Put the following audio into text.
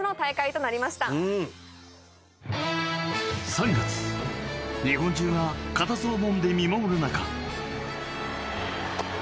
３月日本中が固唾をのんで見守る中。